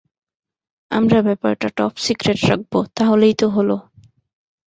আমরা ব্যাপারটা top secret রাখব, তাহলেই তো হলো।